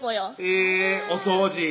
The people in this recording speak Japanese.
えぇお掃除